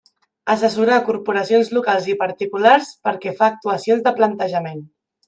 Assessorar corporacions locals i particulars pel que fa a actuacions de planejament.